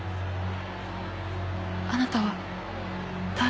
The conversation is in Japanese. あなたは誰？